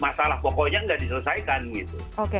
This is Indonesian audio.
masalah pokoknya nggak diselesaikan gitu